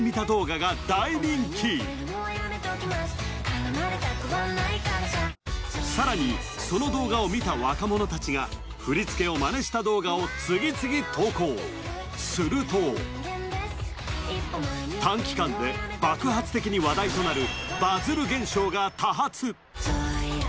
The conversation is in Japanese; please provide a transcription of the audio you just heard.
動画が大人気さらにその動画を見た若者たちが振り付けをマネした動画を次々投稿すると短期間で爆発的に話題となる「バズる」現象が多発